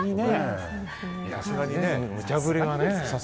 さすがにね、むちゃ振りはね。